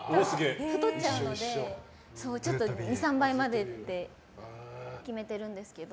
太っちゃうので２、３杯までと決めてるんですけど。